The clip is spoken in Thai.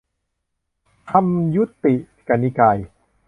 ธรรมยุติกนิกาย